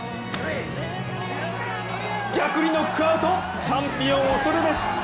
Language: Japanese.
逆にノックアウト、チャンピオンおそるべし。